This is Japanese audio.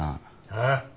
ああ？